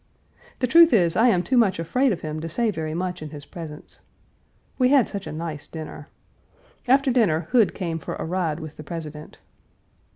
The truth is I am too much afraid of him to say very much in his presence. We had such a nice dinner. After dinner Hood came for a ride with the President.